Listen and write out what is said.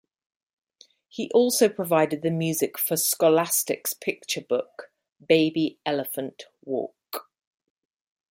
He also provided the music for Scholastic's picture book 'Baby Elephant Walk'.